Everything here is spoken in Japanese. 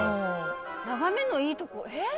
眺めのいいところえ？